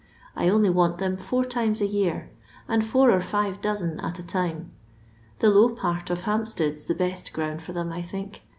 I only want them four timea a year, and four or five dozen at a time. The low part of Hempstead 's the best ground for | them, I think.